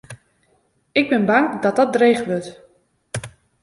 Ik bin bang dat dat dreech wurdt.